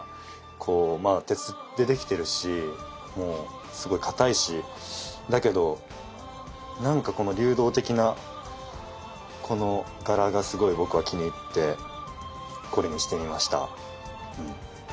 こうまあ鉄でできてるしもうすごいかたいしだけどなんかこの流動的なこの柄がすごい僕は気に入ってこれにしてみました。